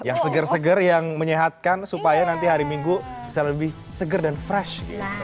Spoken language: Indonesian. yang seger seger yang menyehatkan supaya nanti hari minggu bisa lebih seger dan fresh